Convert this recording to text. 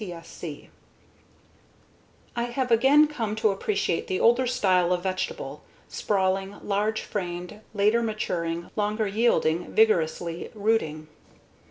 I have again come to appreciate the older style of vegetable sprawling, large framed, later maturing, longer yielding, vigorously rooting.